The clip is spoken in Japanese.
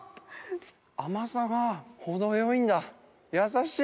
甘さが程よいんだやさしい！